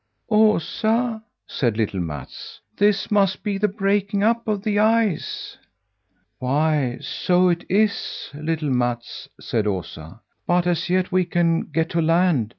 "Osa," said little Mats, "this must be the breaking up of the ice!" "Why, so it is, little Mats," said Osa, "but as yet we can get to land.